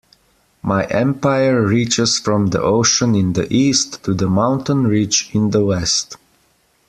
My empire reaches from the ocean in the East to the mountain ridge in the West.